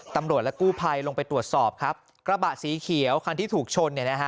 ตำรวจและกู้ภัยลงไปตรวจสอบครับกระบะสีเขียวคันที่ถูกชนเนี่ยนะฮะ